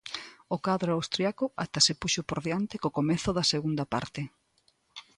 O cadro austríaco ata se puxo por diante co comezo da segunda parte.